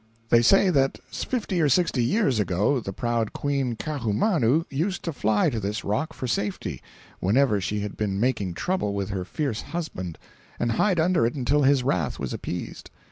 They say that fifty or sixty years ago the proud Queen Kaahumanu used to fly to this rock for safety, whenever she had been making trouble with her fierce husband, and hide under it until his wrath was appeased.